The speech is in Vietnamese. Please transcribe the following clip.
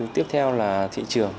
tiếp theo là thị trường